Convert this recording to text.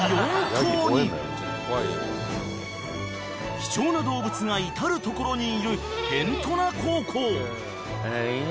［貴重な動物が至る所にいる辺土名高校］